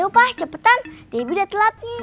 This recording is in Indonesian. ayo pak cepetan debi udah telat nih